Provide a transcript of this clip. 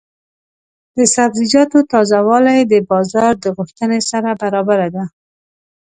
د سبزیجاتو تازه والي د بازار د غوښتنې سره برابره ده.